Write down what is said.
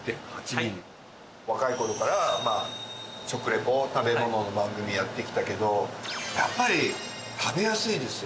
若い頃からまあ食レポ食べ物の番組やってきたけどやっぱり食べやすいですよ。